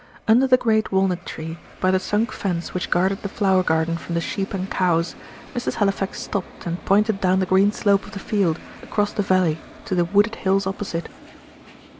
Under the great walnut tree, by the sunk fence which guarded the flower garden from the sheep and cows, Mrs. Halifax stopped and pointed down the green slope of the field, across the valley, to the wooded hills opposite.